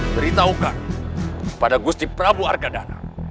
beritahukan pada gusti prabu argadana